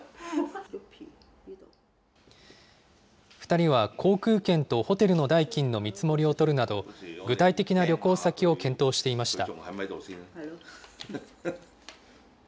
２人は航空券とホテルの代金の見積もりを取るなど、具体的な旅行先を検討していました。